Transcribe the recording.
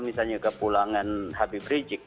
misalnya kepulangan habib rijik